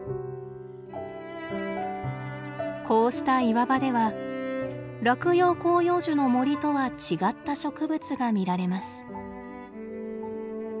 こうした岩場では落葉広葉樹の森とは違った植物が見られます。